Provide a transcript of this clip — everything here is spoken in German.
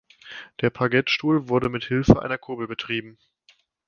Der Paget-Stuhl wurde mit Hilfe einer Kurbel betrieben.